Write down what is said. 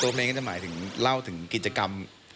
เพลงก็จะหมายถึงเล่าถึงกิจกรรม